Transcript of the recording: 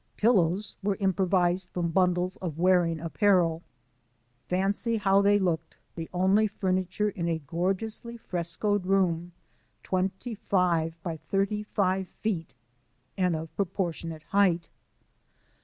Pillows were improvised from bundles of wearing apparel. Fancy how they looked, the only furniture in a gorgeously frescoed room twenty five by thirty five feet, and of proportionate height!